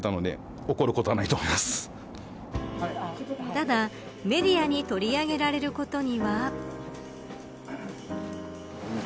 ただ、メディアに取り上げられることには。